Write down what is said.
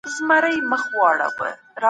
په بيړه سوې پرېکړي تل سياسي زيانونه لري.